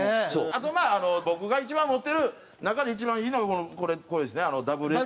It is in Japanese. あとまあ僕が一番持ってる中で一番いいのがこれですね。